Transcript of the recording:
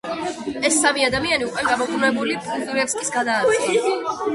ეს სამი ადამიანი უკან გამობრუნებული პუზირევსკის გადააწყდა.